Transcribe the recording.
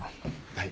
はい。